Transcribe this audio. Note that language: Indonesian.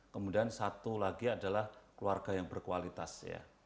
kemudian satu lagi adalah keluarga yang berkualitas ya